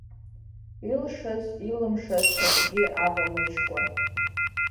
Илшаз, илымшаз акгьы авамыжькәа.